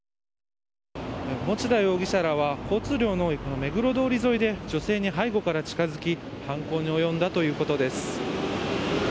持田容疑者らは交通量の多い目黒通り沿いで女性に背後から近づき犯行に及んだということです。